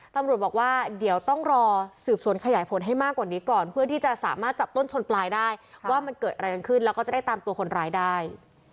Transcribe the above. ตำรวจบอกว่าเดี๋ยวต้องรอสืบสวนขยายผลให้มากกว่านี้ก่อนเพื่อที่จะสามารถจับต้นชนปลายได้ว่ามันเกิดอะไรกันขึ้นแล้วก็จะได้ตามตัวคนร้ายได้